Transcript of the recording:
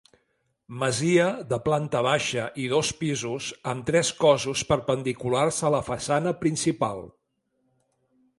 Masia de planta baixa i dos pisos, amb tres cossos perpendiculars a la façana principal.